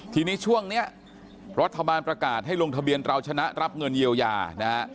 ทีนี้ช่วงนี้รัฐบาลประกาศให้ลงทะเบียนเราชนะรับเงินเยียวยานะฮะ